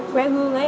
que hương ấy